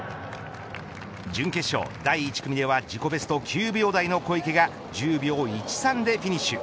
準決勝第１組では自己ベスト９秒台の小池が１０秒１３でフィニッシュ。